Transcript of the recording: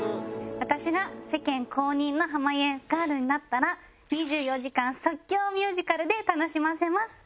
私が世間公認の濱家ガールになったら２４時間即興ミュージカルで楽しませます。